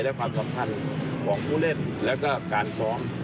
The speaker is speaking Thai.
และความสำคัญของผู้เล่นแล้วก็การซ้อม